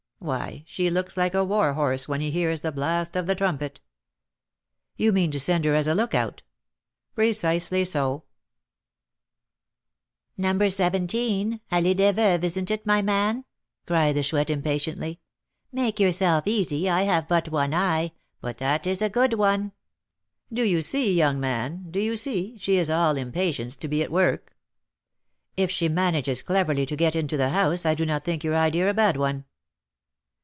Why, she looks like a war horse when he hears the blast of the trumpet!" "You mean to send her as a lookout?" "Precisely so." "No. 17, Allée des Veuves, isn't it, my man?" cried the Chouette, impatiently. "Make yourself easy: I have but one eye, but that is a good one." "Do you see, young man, do you see she is all impatience to be at work?" "If she manages cleverly to get into the house, I do not think your idea a bad one."